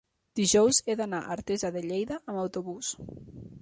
dijous he d'anar a Artesa de Lleida amb autobús.